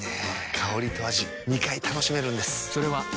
香りと味２回楽しめるんです。